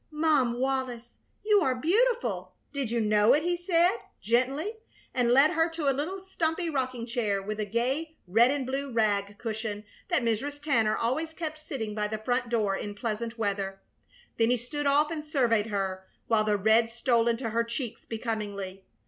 "Mom Wallis, you are beautiful. Did you know it?" he said, gently, and led her to a little stumpy rocking chair with a gay red and blue rag cushion that Mrs. Tanner always kept sitting by the front door in pleasant weather. Then he stood off and surveyed her, while the red stole into her cheeks becomingly.